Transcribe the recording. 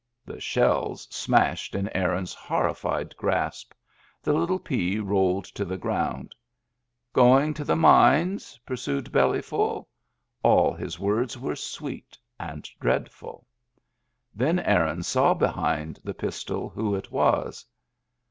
The shells smashed in Aaron's horrified grasp. The little pea rolled to the ground. " Going to the mines ?" pursued Bellyful. All his words were sweet and dreadful. Then Aaron saw behind the pistol who it was.